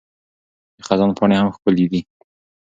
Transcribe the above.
د خزان پاڼې هم ښکلي دي.